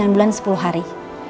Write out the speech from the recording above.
sembilan bulan sepuluh hari